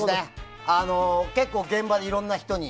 結構、現場でいろんな人に。